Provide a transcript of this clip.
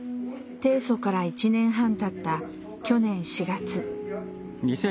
提訴から１年半たった去年４月。